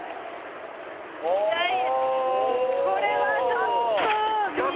いやこれはちょっと！